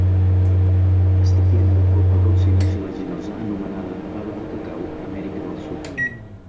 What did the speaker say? Està plena de polpa dolça i mucilaginosa anomenada 'bava de cacau' a Amèrica del Sud.